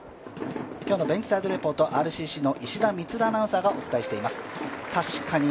今日のベンチサイドレポート、ＲＣＣの石田充アナウンサーがお伝えしています。